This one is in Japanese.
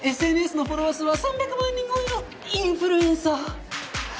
ＳＮＳのフォロワー数は３００万人超えのインフルエンサー。